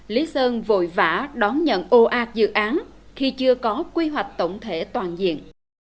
lý sơn vội vã đón nhận ồ ạt dự án khi chưa có quy hoạch tổng thể toàn diện